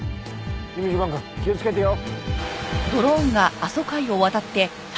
君嶋くん気をつけてよ。